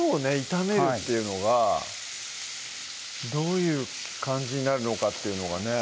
炒めるっていうのがどういう感じになるのかっていうのがね